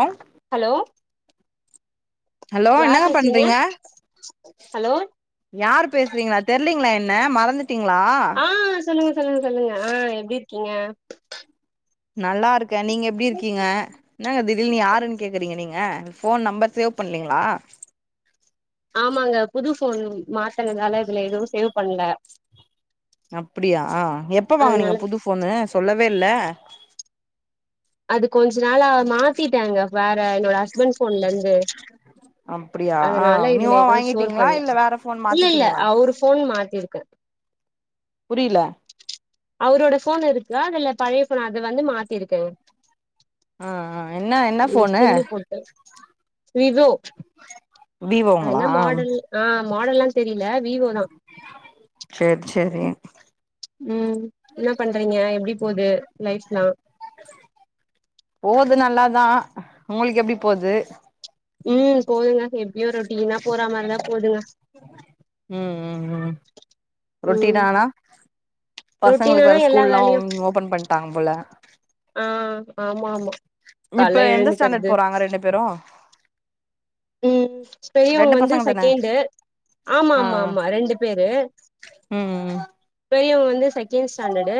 அரோங் hello hello யார் என்னங்க பேசுறீங்க பண்றீங்க ஹலோ யாரு பேசுறீங்ளா தெர்லீங்ளா என்ன மறந்துட்டீங்ளா ஆ சொல்லுங்க சொல்லுங்க சொல்லுங்க ஆ எப்டி இருக்கீங்க நல்லாருக்கே நீங்க எப்டி இருக்கீங்க என்னங்க திடீருனு நீ யாருன்னு கேக்குறீங்க நீங்க ஃபோன் நம்பர் சேவ் பண்லீங்ளா ஆமாங்க புது ஃபோன் மாத்தனதால இதுல ஏதவு சேவ் பண்ல அப்டியா எப்ப வாங்கனீங்க அதனால புது ஃபோன்னு சொல்லவே இல்ல அது கொஞ்ச நாளா மாத்திட்டங்க வேற என்னோட ஹஸ்பண்ட் ஃபோன்லருந்து அப்டியா ஆ அதனால இதுல நியூவா எது ஸ்டோர் வாங்கிட்டீங்களா பண்ல இல்ல வேற ஃபோன் இல்ல இல்ல மாத்திட்டீங்களா அவுரு ஃபோனு மாத்திருக்க புரியில அவுரோட ஃபோன் இருக்கு அதுல பழைய ஃபோன் அத வந்து மாத்திருக்கேங்க ஆ ஆ என்ன என்ன ஏ ஃபோனு சிம்மு போட்டு வி ஓ அ என்ன விவோங்களா மாடல் ஆ மாடல்லா தெரியில வி ஓ தா சேரி சேரி ம் என்ன பண்றீங்க எப்டி போது லைஃப்ல்லா போது நல்லாதா உங்களுக்கு எப்டி போது ம் போதுங்க எப்டியு ரொட்டீனா போற மாரிதா போதுங்க ம் ம் ம் ம் ரொட்டினானா பசங்களுக்கு ரொட்டீனானா வேற எல்லா ஸ்கூல்லா வேலையு ம் ஓபன் பண்ட்டாங்க போல ஆ ஆமா ஆமா இப்ப கால்ல எந்த ஸ்டாண்டர்ட் எழுந்துக்கறது போறாங்க ரெண்டு பேரு ம் பெரியவங்க ரெண்டு வந்து பசங்க தான செகேண்டு ஆமா ஆ ஆமா ஆ ஆமா ரெண்டு பேரு ம் ம் பெரியவ வந்து செகண்ட் ஸ்டண்டடு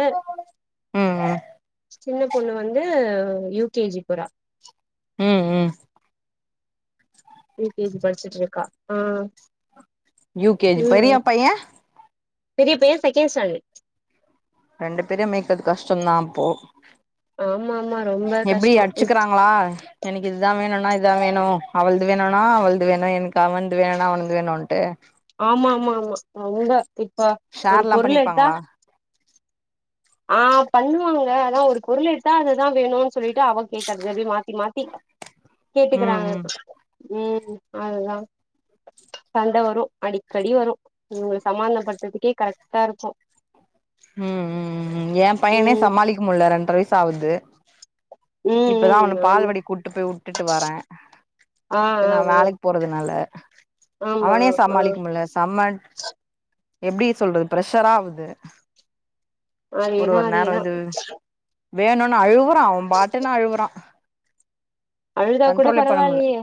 ம் ம் சின்ன பொண்ணு வந்து யூகேஜி போரா ம் ம் யுகேஜி படிச்சுட்டு இருக்கா ஆ யூகேஜி பெரியா ம் பைய பெரிய பெரிய சேகேண்ட் ஸ்டாண்டடு ரெண்டு பேரையு மேக்கறது கஷ்டந்தா அப்போ ஆமா ஆமா ரொம்ப எப்டி கஷ்டோ அடிச்சுக்கிறாங்களா எனக்கு இதுதா வேணுனா இதுதா வேணு அவளது வேணுனா அவளது வேணு எனக்கு அவன்து வேணுனா அவனந்து வேணுன்ட்டு ஆமா ஆமா ஆமா ரொம்ப இப்ப ஒரு ஷேர்லா பொருள் எடுத்தா பண்ணிப்பாங்களா ஆ பண்ணுவாங்க அதா ஒரு பொருள் எடுத்தா அதுதா வேணுன் சொல்லிட்டு அவ கேக்குறது அப்டி மாத்தி மாத்தி ம் கேட்டுக்கிறாங்க ம் ம் அதுதா சண்ட வரு அடிக்கடி வரு இவங்க சாமாதானபடுத்துறதுக்கே கரெக்ட்டா இருக்கு ம் ம் ம் எ பையனே ம் சமாளிக்க முடியல ரெண்ர வயசு ஆவுது ம் இப்பதா அவன ம் பால்வாடிக் கூட்டு போய் வுட்டுட்டு வர ஆமா ஆ சரி நா ஆ ஆ வேலைக் போறதுனால ஆமா அவனே ஆ சமாளிக்க முடியல சம எப்டி சொல்றது ப்ரெஷரா ஆவுது ஒரு அதேதா ஒரு நேர அதேதா இது வேணுன் அழுவுறா அவ பாட்டுன் அழுவுறா அழுதா கூட கண்ட்ரோலே பண்ண முல்ல பரவாயில்லையே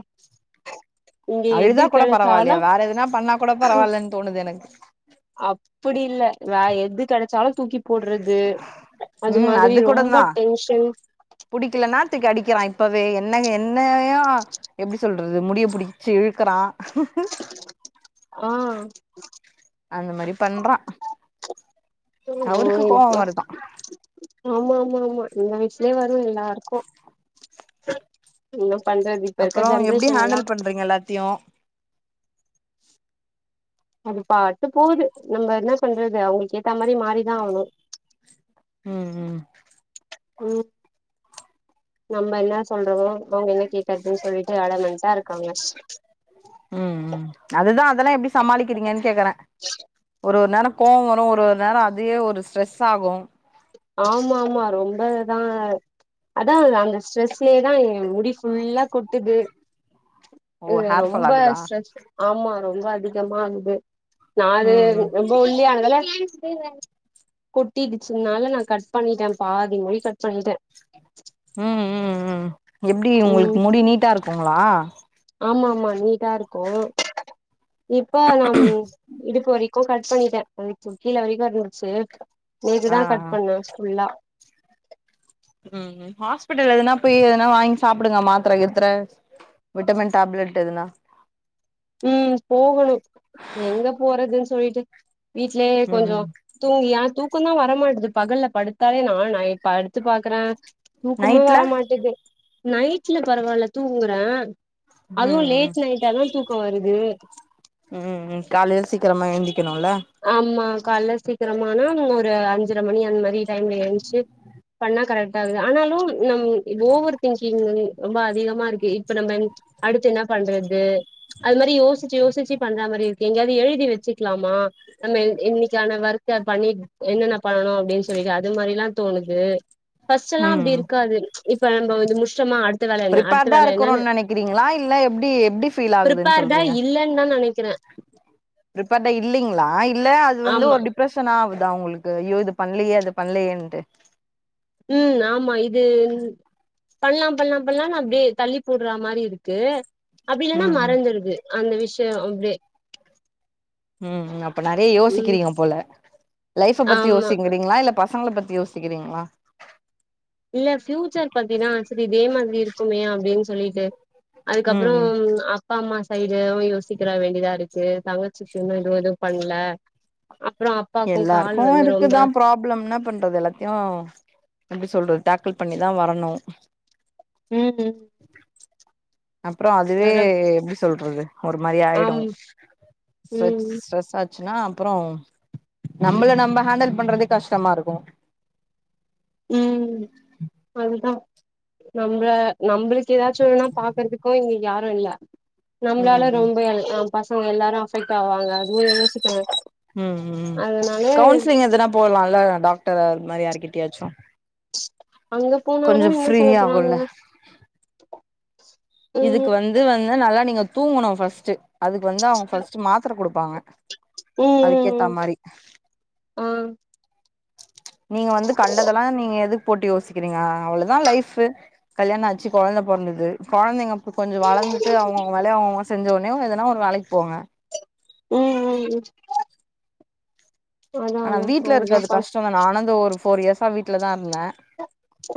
இங்க அழுதா எது கூட பரவாயில்யே கெடச்சாலு வேற எதுனா பண்ணா கூட பரவால்லன்னு தோணுது எனக்கு அப்புடி இல்ல வே எது கெடச்சாலு தூக்கிப் போடுறது அது ம் மாதிரி கூட ரொம்ப தா டென்ஷன் புடிக்கலன்னா துக்கு அடிக்கிறா இப்பவே என்ன என்னையு எப்டி சொல் றது முடிய பிடிச்சி இழுக்கறா ஆ அந்த மாரி பண்றா அவருக்கு கோவ வருதா ஆமா ஆமா ஆமா எங்க வீட்லயே வரு எல்லாருக்கு இன்னு பண்றது இப்ப இருக்க அப்புறோ எப்டி ஜென்ரேஷன்ல்லா ஹேண்டில் பண்றீங்க எல்லாத்தையு அது பாட்டு போகுது நம்ம என்ன பண்றது அவங்களுக்கு ஏத்த மாரி மாறிதா ஆகணு ம் ம் ம் நம்ம என்ன சொல்றோ அவங்க என்ன கேக்குறதுன் சொல்லிட்டு அடமெண்டா இருக்காங்க ம் ம் அததா அதெல்லா எப்டி சமாளிக்கிறீங்கன் கேக்குற ஒரு ஒரு நேர கோவவரு ஒரு ஒரு நேர அதே ஒரு ஸ்ட்ரெஸ் ஆகு ஆமா ஆமா ரொம்பதா அதான் அந்த ஸ்ட்ரெஸ்லேதா முடி ஃபுல்லா கொட்டுது ஓ இல்ல ஹேர் ஃபால் ரொம்ப ஆகுதா ஸ்ட்ரஸ் ஆமா ரொம்ப அதிகமா ஆகுது நானு ம் ம் ரொம்ப ஒல்லியா ஆனதால கொட்டிடுச்சுனால நான் கட் பண்ணிட்டே பாதி முடி கட் பண்ணிட்டே ம் ம் ம் ம் எப்டி உங்குளுக்கு ம் முடி நீட்டா இருக்குங்களா ஆமா ஆமா நீட்டா இருக்கு இப்ப நாம் இடுப்பு வரிக் கு கட் பண்ணிட்டே அதுக்கு கீழ வரைகு இருந்துச்சு நேத்து ஆ தா கட் பண்ண ஃபுல்லா உம் ம் ஹாஸ்பிட்டல் எதுனா போய் எதனா வாங்கி சாப்பிடுங்க மாத்திர கீத்தர விட்டமின் டாப்லெட் எதுனா உம் போகணு எங்க போறதுன் சொல்லிட்டு வீடலயே ம் கொஞ்சோ ம் தூங்கி ஏ தூக்கம் தான் வரமாட்டேது பகல்ல படுத்தாலே நான் ஆயின் படுத்து பாக்குறேன் தூக்கமே நைட்ல வர மாட்டுது நைட்ல பரவாயில்ல தூங்குறே அதுவும் லேட் நைட் ஆ தான் தூக் வருது உம் காலையில சீக்கிரமா எந்திக்கணும்ல ஆமா கால்ல சீக்கிரமான ஒரு அஞ்சர மணியா அந் மாரி டைம்ல எழுச்சு பண்ணா கரெக்ட ஆகுது ஆனாலும் நம் ஓவர் திங்கிங் ரொம்ப அதிகமா இருக்கு இப்ப நம்ம அடுத்து என்ன பண்றது அது மாரி யோசிச்சு யோசிச்சு பண்ற மாரி இருக்கு எங்கயாவது எழுதி வெச்சுக்கலாமா நம்ம இன்னைக்கான ஒர்க் அத பண்ணி என்னென்ன பண்ணணு அப்டின் சொல்லிடு அது மாரிலா தோணுது ஃபஸ்ட்டு எல்லாம் அப்டி ம் இருக்காது இப்ப நம்ம வந்து முஷ்டமா அடுத் பிரிப்பேர்டா இருக்கிறோம்ன் நெனைக்கிறீங்களா இல்ல எப்டி எப்டி ஃபீல் ஆகுதுன் சொல்றீங்க நா நெனைக்கிறே பிரிப்பேர்டா இல்லைங்ளா இல்ல அது ஒரு ஆமா டிப்ரஷ் னாவுதா உங்குளுக்கு ஐயோ இது பண்லையே அது பண்லையேன்டு உம் ஆமா இது பண்லா பண்லா பண்லான் அப்டியே தள்ளி போடுற மாரி இருக்கு அப்டி இல்லன்னா ம் ம் மறந்துருது அந்த விஷயோ அப்டியே ம் ம் அப்ப நெறைய ம் யோசிக்கிறீங்க போல லைஃப்ப பத்தி ஆமா யோசிக்கிறீங்களா இல்ல பசங்கள பத்தி யோ சிக்கிறீங்களா இல்ல ஃபியூச்சர் பத்திதா செரி இதே மாரி இருக்குமே அப்டின் சொல்லிட்டு ம் அதுக்கப்புறோம் ம் அப் பா அம்மா சைடு யோசிக்கிற வேண்டிய தா இருக்கு தங்கச்சிக்கு இன்னும் எது எதுவும் பண்ணல அப்றோ அப் எல்லாருக்கும் இருக்கு தா ப்ராப்ளம் என்னா பண்றது எல்லாத் தியு எப்டி சொல்றது டாக்கிள் பண்ணி தா வரணு ம் அப்பறோ அதுவே வேற எப்டி சொல்றது ஒரு மாரி ஆயிடு ஆம் ஸ்ட்ரெஸ் ம் ஸ்ட்ரெஸ் ஆச்சுன்னா அப்பறோ நம்பள நம்ப ஹேண்டல் பண்றதே கஷ்டமா இருக்கு ம் அதுதா நம்ள நம்முளுக்கு எதாச்சு ஒன்னுனா பாக்குறதுக்கோ இங்க யாரும் இல்ல ம் நம்ளால ம் ரொம்ப நம் பசங்க எல்லாரும் அபெக்ட் ஆவாங்க அதுவும் யோசி ம் ம் கவுன்சிலிங் எதுனா போடலால்ல டாக்டர் அது மாரி யாருக்கிட்டயாச்சு அங்க போனாலு என்ன ஃப்ரீ சொல்ல போறாங்க ஆகுல்ல இதுக்கு ம் வந்து வந்து நல்லா நீங்க தூங்கணு ஃபர்ஸ்டு அதுக்கு வந்து அவங்க ஃபர்ஸ்டு மாத்திர குடுப்பாங்க அதுக் கேத்தா மாரி அ நீங்க வந்து கண்டதெல்லா நீங்க எதுக்கு போட்டு யோசிக்கிறீங்க அவ்ளோதா லைஃப்பு கல்யாணோ ஆச்சி கொழந்த பொறந்தது கொழந்தைங்க கொஞ்சோ வளந்துட்டு அவுங்கவுங்க வேலய அவூங்க செஞ்ச ஒன்னே எதுனா ஒரு வேலக்கு போங்க ம் ம் ம் ஆனா அதா வீட்ல அதா இருக்கறது பா கஷ்டோ தா நானு இந்த ஒரு ஃபோர் இயர்ஸா வீட்லதா இருந்தே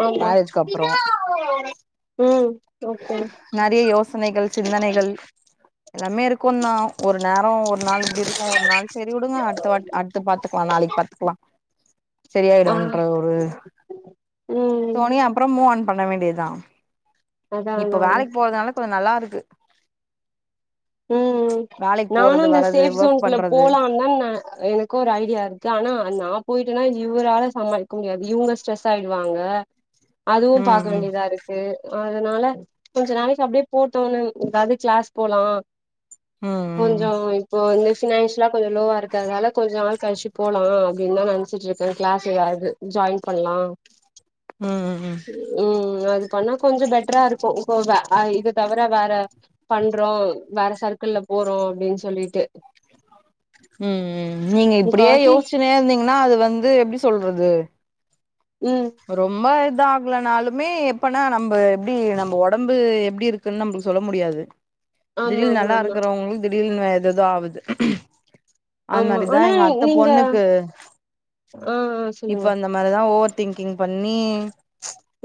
ஆமா மேரேஜ்க்கு அப்றோ ம் ஓகே பிரச்சனைகள் சிந்தனைகள் எல்லாமே இருக்கு தா ஒரு நேரோ ஒரு நாள் இப்டி இருக்கு ஒரு நாள் செரி உடுங்க அடுத்த வாட் அடுத்து பாத் லாம் நாளைக்கு பத்துக்கலா ஆ செரியாடுன்ற ஒரு ம் ஃபோன் பண்ண வேண்டிய தா அதா இப்ப அதா அதா வேலக்கு போறதுனால கொஞ்சோ நல்லா இருக்கு ம் வேலைக்கு நானு போறது அந்த வர்றது சேஃப் ஒர்க் சோனுக்குள்ள பண்றது போலாம் தானே எனக்கு ஒரு ஐடியா இருக்கு ஆனா நாபோயிட்டேனா இவரால சமாளிக்க முடியாது இவங்க ஸ்ட்ரெஸ் ஆயிடுவாங்க அதுவு ம் பாக்க ம் வேண்டிய தா இருக்கு க்கு அதனால கொஞ்ச நாளைக்கி அப்டியே போட்டு ஏதாவது கிளாஸ் போலா ம் ம் கொஞ்சோ இப்போ இந்த மிஷினஸ்லா கொஞ்சோ லோவா இருக்கறனால கொஞ்சோ நாள் கழிச்சி போலா அப்டின்னு தா நெனைச்சிட்டு இருக்கே கிளாஸ் எதாது ஜாயின் பண்ணலா ம் ம் ம் அது பண்ணா கொஞ்சோ பெட்டரா இருக்கு போக இது தவர வேற பண்றோ வேற சர்க்கல்ல போறோ அப்டின் சொல்லிட்டு ம் ம் ம் நீங்க இப்டியே முக்காவாசி யோசிச்சினே இருந்தீங்கன்னா அது வந்து எப்டி சொல்றது ம் ரொம்ப இத ஆகலனாலுமே எப்பனா நம்ம எப்டி நம்ம ஒடம்பு எப்டி இருக் குன்னு நம்மளுக்கு சொல்ல முடியாது ஆமா திடீர்னு ஆமா நல்லா ஆமா இருக்கறவங்களுக்கு திடீர்னு எதோதா ஆகுது அந் ஆமா மாரிதா ஆனா எங்க அத்த நீங்க பொண்ணுக்கு ஆ இப்ப சொல்லுங்க அந்த இந்த மாரி தா ஓவர் திங்கிங் பண்ணி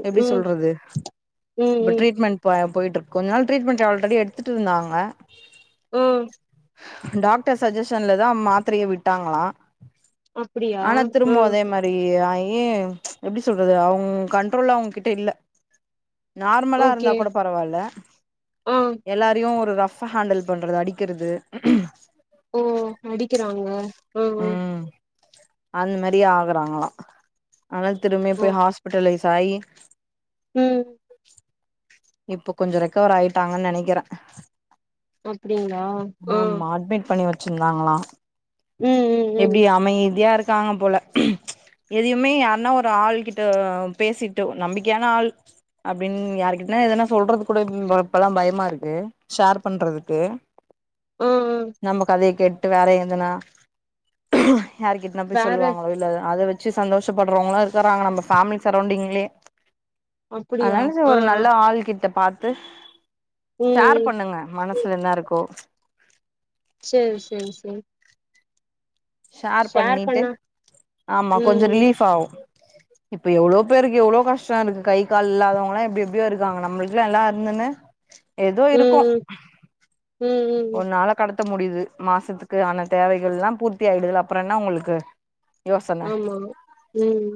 எப்டி ம் சொல்றது ம் இப்ப ம் ட்ரீட்மெண்ட் ப போயிட்டிருக்கு கொஞ்ச நாள் ட்ரீட்மெண்ட் ஆல்ரெடி எடுத்துட்டு இருந்தாங்க ம் டாக்டர் சஜஷன்ல தா மாத்தரைய விட்டாங்களா அப்டியா ஆனா ஆ திரும்பவு அதே மாரி ரி ஆயி எப்டி சொல்றது அவுங்க கண்ட்ரோல்ல அவுங்ககிட்ட இல்ல நார்மலா இருந்தா ஓகே கூட பரவால்ல ஆ எல்லாரையு ஒரு ரப் ஹா ஹண்டில் பண்றது அடிக்கறது ஓ அடிக்கறாங்க ம்ம் அந்மாரி ஆகுறாங்களா ஆதனால திரும்ப ஓ போய் ஹாஸ்பிட்டலைஸ் ஆகி ம் இப்போ கொஞ்சௌ ரெக்கவர் ஆயிட்டாங்கன்னு நெனைக்கிறே அப்டிங்களா ஆ ஆமா அட்மிட் பண்ணி வச் வெச்சிந்தாங்களா ம் ம் ம் எப்டி அமைதியா இருக்காங்க போல எதயுமே யாருன்னா ஒரு ஆள் கிட்ட பேசிட்டு நம்பிக்கையான ஆள் அப்டின்னு யாருகிட் ன எதனா சொல்றது கொட இப்பல்லா பயமாருக்கு ஷேர் பண்றதுக்கு ஆ ஆ நம்ம கதைய கேட்டு வேற எதுனா யாருக் நா போய் வேற சொல்லுவாங்களோ இல்லல்ல அத வச்சு சந்தோஷப்படுறவங்களா இருக்கறாங்க நம்ம ஃபேமிலி சரௌண்டிங்லயே அப்டியா அதனால சர் ஆ ஒரு ஆ நல்ல ஆள் கிட்ட பாத்து ஷேர் ம் பண்ணுங்க ம் மனசு என்ன இருக்கோ சேரி செரி செரி ஷேர் பண்ணிட்டு பண்ணா ஆமா கொஞ்சோ ம் ரிலீஃப் ஆவோ இப்ப எவ்ளோ பேருக்கு எவ்ளோ கஷ்டம் இருக்கு கை கால் இல்லாதவங்களா எப்டி எப்டியோ இருக்காங்க நம்மளுக்குல எல்லாம் இருந்தும்மே ஏதோ இருக்கோம் ம் ம் ம் ஒரு நாள கடத்த முடியுது மாசத்துக்கு ஆன தேவைகள் எல்லாம் பூர்த்தி ஆயிடுதுல அப்புற என்ன உங்களுக்கு யோசன ஆமா ம்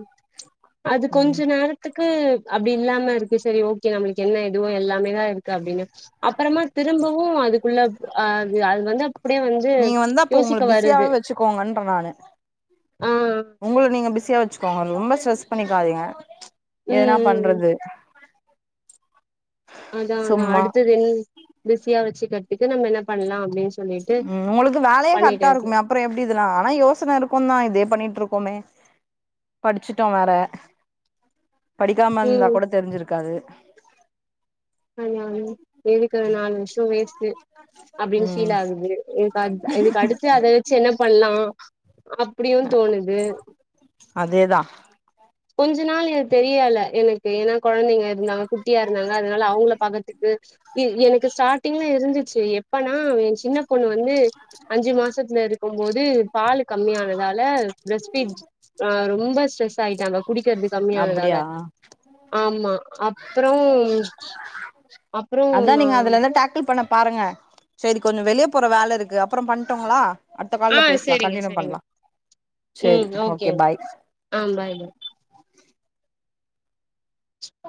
அது ம் கொஞ்ச நேர த்துக்கு அப்டி இல்லாமருக்கு சரி ஓகே நம்மளுக்கு என்ன எதுவுவோ எல்லாமே இருக்கு அப்டினு அப்பறமா திரும்பவும் அதுக்குள்ள அது அது வந்து அப்படியே வந்து யோசிக்க வருது கோங்கறாங்க ஆ உங்கள நீங்க பிஸியா வச்சுக் ப்பா ரொம்ப ஸ்ட்ரெஸ் பண்ணிக்காதீங்க ம் என்னா ம் ம் பண்றது அதான் அதான் சும்மா அடுத்தது இன் பிஸியா வச்சுக்கற்துக்கு நம்ம என்ன பண்ணலாம் அப்டின் ம் உங்களுக்கு வேலயே கரெக்டா இருக்குமே அப்பற எப்டி இதெல்லா ஆனா யோசன இருக்கும்தா இதே பண்ணிட்டு இருக்கோமே படிச்சுட்டோம் வேற படிக்காமருந்தா ம் கூட தெரிஞ்சிருக்காது அதான் எதுக்கு நாலு வர்ஷோ வேஸ்ட்டு அப்டின் ம் ஃபீல் ஆகுது இதுக்கு அட் இதுக்கு அடுத்து அத வச்சி என்ன பண்லாம் அப் அப்டியும் தோணுது அதேதா கொஞ்ச நாள் எனக் தெரியல எனக்கு ஏன்னா கொழ்ந்தைங்க இருந்தாங்க குட்டியா இருந்தாங்கலா அதனால அவங்கள பாக்கத்துக்கு இ எனக்கு ஸ்டார்டிங்ல இருந்துச்சு எப்பனா என் சின்ன பொண்ணு வந்து அஞ்சு மாசத்துலருக்கும் போது பாலு கம்மியானதால பிரஸ்பீட் அ ரொம்ப ஸ்ட்ரெஸ் ஆயிட்டாங்க குடிக்கிறதுக் கம்மியானதால அப்டியா ஆமா அப்றோம் அதான் நீங்க அதுலருந்து டேக்கிள் பண்ண பாருங்க சேரி கொஞ்ச வெளிய போற வேலருக்கு அப்றோ பண்ட்டுங்களா அடுத்த ஆ கால்ல பேஸ்லாம் சரிங்க கண்டினியூ சரிங்க பண்லாம் சேரி ஓகே பாய் ஆ பாய்ங்க ப